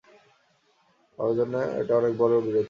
আমার জন্য এটা অনেক বড় বিরতি।